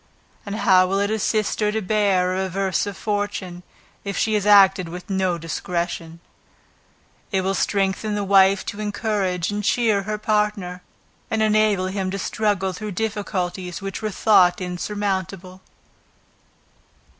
And how will it assist her to bear a reverse of fortune, if she has acted with discretion; it will strengthen the wife to encourage and cheer her partner, and enable him to struggle through difficulties which were thought insurmountable.